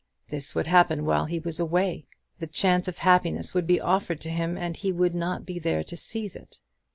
This would happen while he was away: the chance of happiness would be offered to him, and he would not be there to seize it.